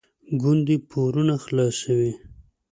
ګوندې پورونه خلاصوي.